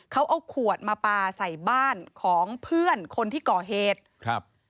เขาเอาขวดมาปลาใส่บ้านของเพื่อนคนที่ก่อเหตุครับ